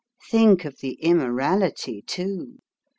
Think of the immorality, too